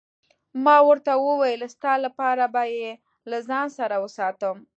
ما ورته وویل: ستا لپاره به يې له ځان سره وساتم.